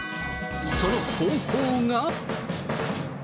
その方法が。